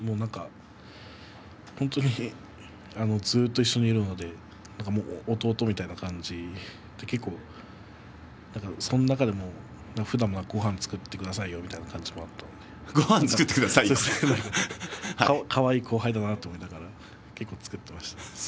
本当にずっと一緒にいるので弟みたいな感じで結構ふだんもごはんを作ってくださいよみたいな感じでかわいい後輩だなと思いながら結構、作っています。